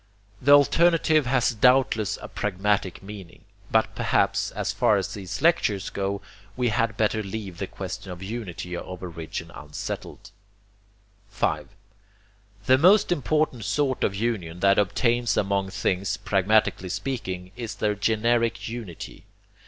The alternative has doubtless a pragmatic meaning, but perhaps, as far as these lectures go, we had better leave the question of unity of origin unsettled. 5. The most important sort of union that obtains among things, pragmatically speaking, is their GENERIC UNITY.